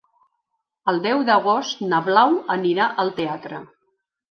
El deu d'agost na Blau anirà al teatre.